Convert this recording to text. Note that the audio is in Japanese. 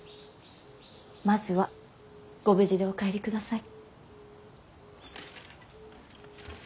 まずはご無事でお帰りください。